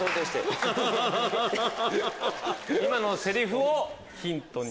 今のセリフをヒントに。